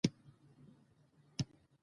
ده په ژوند داسي دانه نه وه لیدلې